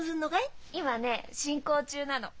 今ね進行中なの。